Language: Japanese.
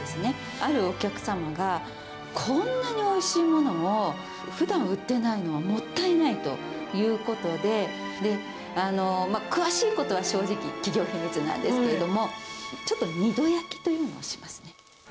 あるお客様が、こんなにおいしいものをふだん売ってないのはもったいないということで、詳しいことは正直、企業秘密なんですけれども、ちょっと、二度焼きというのをしますね。